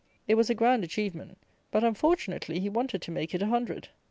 It was a grand achievement; but, unfortunately, he wanted to make it a hundred.